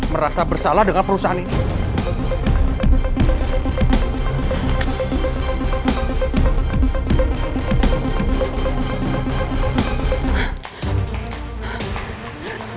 merasa bersalah dengan perusahaan ini